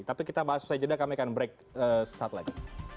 tapi kita bahas usai jeda kami akan break saat lagi